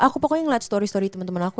aku pokoknya ngeliat story story temen temen aku